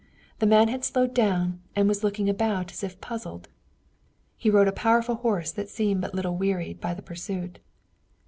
The man had slowed down and was looking about as if puzzled. He rode a powerful horse that seemed but little wearied by the pursuit.